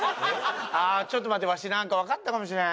あちょっと待ってわしなんかわかったかもしれん。